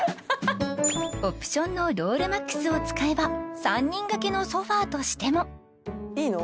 オプションのＲｏｌｌＭａｘを使えば３人掛けのソファとしてもいいの？